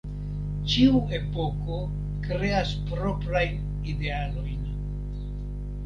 Ĉiu epoko kreas proprajn idealojn.